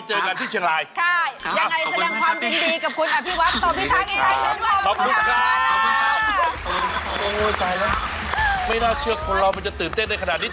เหงียวนะเลยไม่น่าเชื่อคนเราจะตื่นเต้นได้ขนาดนี้